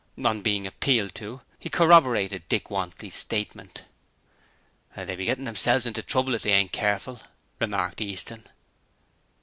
On being appealed to, he corroborated Dick Wantley's statement. 'They'll be gettin' theirselves into trouble if they ain't careful,' remarked Easton.